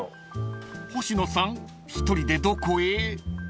［星野さん１人でどこへ？］